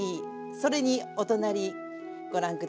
それにお隣ご覧下さい。